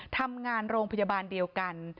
ทำงานโรงพยาบาลเดียวกัน